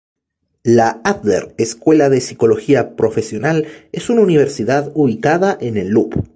La Adler Escuela de Psicología Profesional es una universidad ubicada en el Loop.